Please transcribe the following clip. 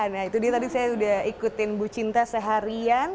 nah itu dia tadi saya udah ikutin bu cinta seharian